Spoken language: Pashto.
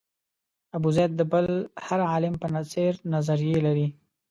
ابوزید د بل هر عالم په څېر نظریې لرلې.